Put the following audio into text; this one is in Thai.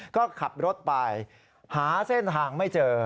ก็ขับรถไปหาเส้นทางไม่เจอ